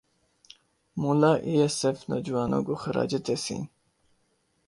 مولا A S F جوانوں کو خراج تحسین